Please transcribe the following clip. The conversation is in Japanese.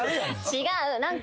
違う。